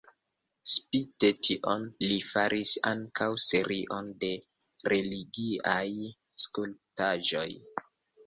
Spite tion, li faris ankaŭ serion de religiaj skulptaĵoj.